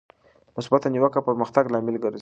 مثبته نیوکه د پرمختګ لامل ګرځي.